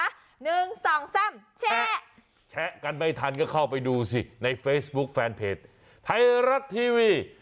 หนึ่งสองแซ่มแชะแชะกันไม่ทันก็เข้าไปดูสิในเฟซบุ๊คแฟนเพจไทยรัฐทีวี